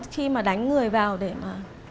khi mà đánh người vào để mà